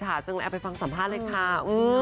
สำหรับสัมภาษณ์แรกค่ะ